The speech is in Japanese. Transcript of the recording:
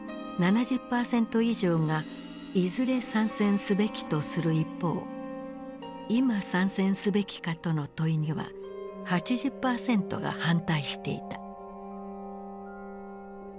７０％以上がいずれ参戦すべきとする一方今参戦すべきかとの問いには８０％が反対していた。